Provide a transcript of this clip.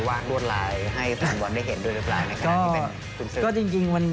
วางรวดลายให้ฝั่งบอลได้เห็นด้วยรึเปล่าในขณะที่เป็นทุ่มเซฟ